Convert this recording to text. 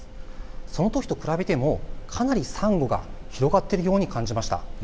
そのときと比べてもかなりサンゴが広がっているように感じました。